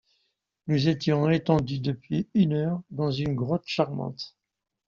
Nous étions étendus depuis une heure dans cette grotte charmante.